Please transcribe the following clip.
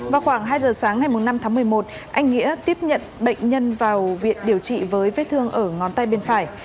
vào khoảng hai giờ sáng ngày năm tháng một mươi một anh nghĩa tiếp nhận bệnh nhân vào viện điều trị với vết thương ở ngón tay bên phải